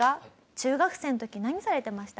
中学生の時何されてました？